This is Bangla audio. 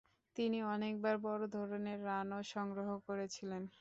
তিনি অনেকবার বড় ধরনের রানও সংগ্রহ করেছিলেন।